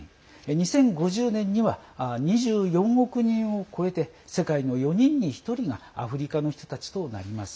２０５０年には２４億人を超えて世界の４人に１人がアフリカの人たちとなります。